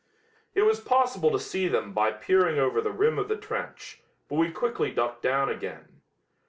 It was possible to see them by peering over the rim of the trench, but we quickly ducked down again.